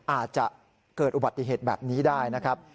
อาจจะเกิดอุบัติเหตุแบบนี้ได้นะครับ